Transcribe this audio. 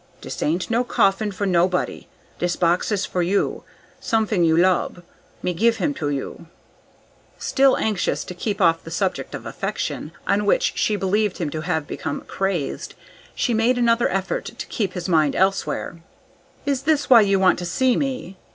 "Dis ain't no coffin for nobody. Dis box is for you. Somefin you lub. Me give him to you!" Still anxious to keep off the subject of affection, on which she believed him to have become crazed, she made another effort to keep his mind elsewhere. "Is this why you want to see me?"